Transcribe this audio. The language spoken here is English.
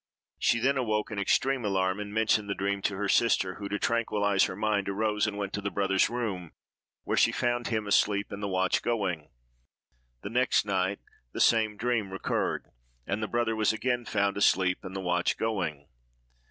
She then awoke, in extreme alarm, and mentioned the dream to her sister, who, to tranquillize her mind, arose and went to the brother's room, where she found him asleep and the watch going. The next night the same dream recurred, and the brother was again found asleep and the watch going.